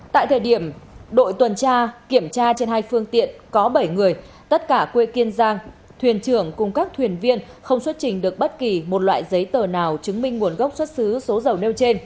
tại thời điểm đội tuần tra kiểm tra trên hai phương tiện có bảy người tất cả quê kiên giang thuyền trưởng cùng các thuyền viên không xuất trình được bất kỳ một loại giấy tờ nào chứng minh nguồn gốc xuất xứ số dầu nêu trên